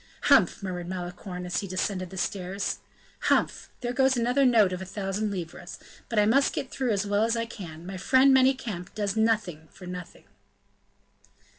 "Humph!" murmured Malicorne as he descended the stairs, "Humph! there goes another note of a thousand livres! but I must get through as well as I can; my friend Manicamp does nothing for nothing."